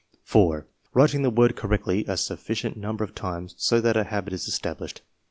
4. Writing the word correctly a sufficient number of times so that a habit is established.